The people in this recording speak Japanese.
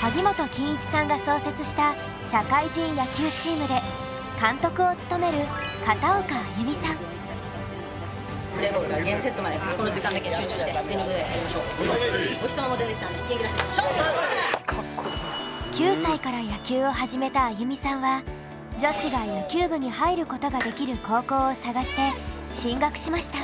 萩本欽一さんが創設した社会人野球チームで監督を務めるお日さまも出てきたので９歳から野球を始めた安祐美さんは女子が野球部に入ることができる高校を探して進学しました。